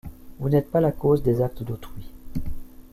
Vous n'êtes pas la cause des actes d'autrui.